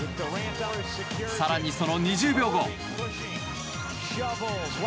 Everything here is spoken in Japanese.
更に、その２０秒後。